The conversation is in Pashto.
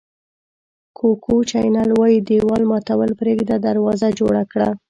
کوکو چینل وایي دېوال ماتول پرېږده دروازه جوړه کړه.